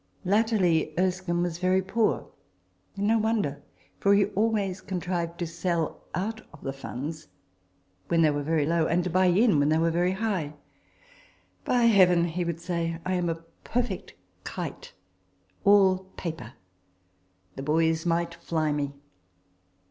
* Latterly Erskine was very poor ; and no wonder, for he always contrived to sell out of the funds when they were very low, and to buy in when they were very high. " By heaven," he would say, " I am a perfect kite, all paper ; the boys might fly me."